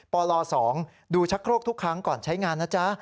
ปล๒ดูชักโครกทุกครั้งก่อนใช้งานนะจ๊ะ